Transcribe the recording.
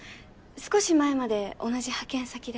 少し前まで同じ派遣先で。